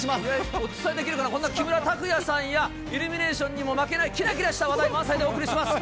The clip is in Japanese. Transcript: お伝えできるかな、こんな木村拓哉さんや、イルミネーションにも負けない、きらきらした話題満載でお送りします。